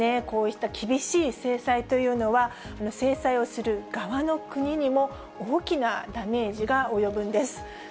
こうした厳しい制裁というのは、制裁をする側の国にも、大きなダメージが及ぶんです。